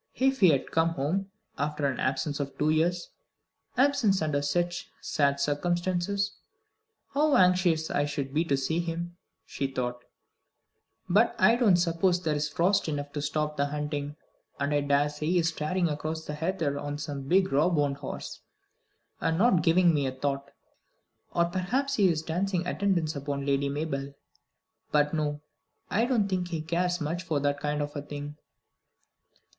"If he had come home after an absence of two years absence under such sad circumstances how anxious I should be to see him," she thought. "But I don't suppose there is frost enough to stop the hunting, and I daresay he is tearing across the heather on some big raw boned horse, and not giving me a thought. Or perhaps he is dancing attendance upon Lady Mabel. But no, I don't think he cares much for that kind of thing."